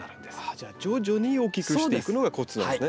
じゃあ徐々に大きくしていくのがコツなんですね。